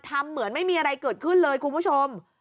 ทำเหมือนไม่มีอะไรเกิดขึ้นเลยคุณผู้ชม